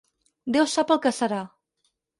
Déu sap el que serà.